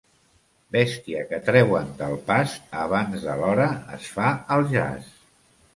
Bèstia que treuen del pas abans de l'hora es fa al jaç.